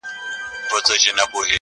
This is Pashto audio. شمع هر څه ویني راز په زړه لري-